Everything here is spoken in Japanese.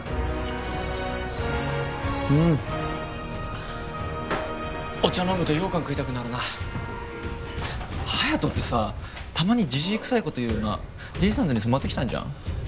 うんお茶飲むとようかん食いたくなるな隼人ってさたまにじじいくさいこと言うよな爺さんズに染まってきたんじゃん？